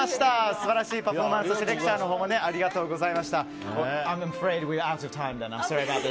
素晴らしいパフォーマンスそして、レクチャーもありがとうございました。